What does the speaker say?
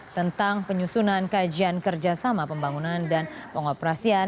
tentang penyusunan kajian kerjasama pembangunan dan pengoperasian